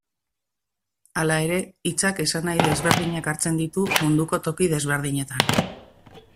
Hala ere, hitzak esanahi desberdinak hartzen ditu munduko toki desberdinetan.